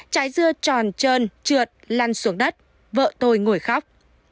trái dưa tròn trơn trượt lăn xuống đất vợ tôi ngồi khóc